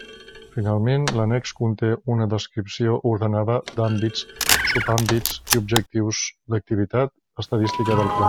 Finalment, l'annex conté una descripció ordenada d'àmbits, subàmbits i objectius d'activitat estadística del Pla.